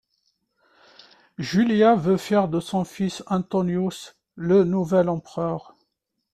Julia veut faire de son fils, Antonius le nouvel empereur.